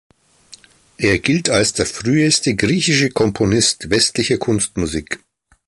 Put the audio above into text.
Er gilt als der früheste griechische Komponist westlicher Kunstmusik.